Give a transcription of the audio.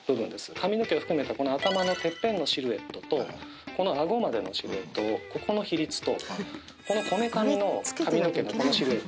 髪の毛を含めたこの頭のてっぺんのシルエットとこのアゴまでのシルエットをここの比率とこのこめかみの髪の毛のシルエット